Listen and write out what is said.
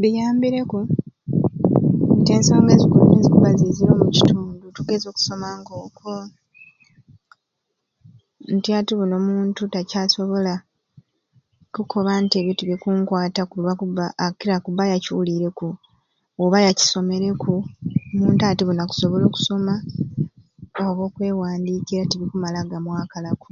Biyambireeku nti ensonga ezimwei niziba ziziire omukitundu tugeze okusoma nkokwo nti ati buni omuntu takyasobola kukoba nti ebyo tibikunkwataku lwakuba akiri akuba yakyulireku oba yakisomereku omuntu ati buni akusobola okusoma oba okwewandikiira tibikumala gamwakalaku.